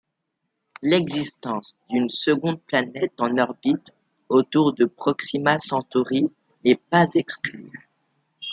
L'existence d'une seconde planète en orbite autour de Proxima Centauri n'est pas exclue.